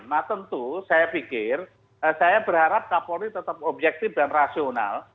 nah tentu saya pikir saya berharap kapolri tetap objektif dan rasional